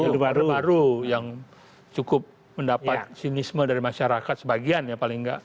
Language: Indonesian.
baru yang cukup mendapat sinisme dari masyarakat sebagian ya paling nggak